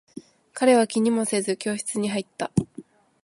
彼は気にもせず、教室に入った。